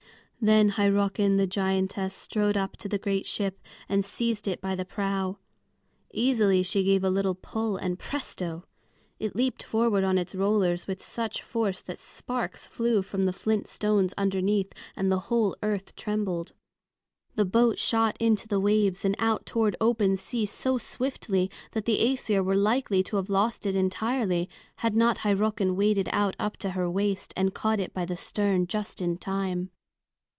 Then Hyrrockin the giantess strode up to the great ship and seized it by the prow. Easily she gave a little pull and presto! it leaped forward on its rollers with such force that sparks flew from the flint stones underneath and the whole earth trembled. The boat shot into the waves and out toward open sea so swiftly that the Æsir were likely to have lost it entirely, had not Hyrrockin waded out up to her waist and caught it by the stern just in time.